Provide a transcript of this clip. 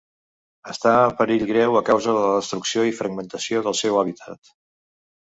Està en perill greu a causa de la destrucció i fragmentació del seu hàbitat.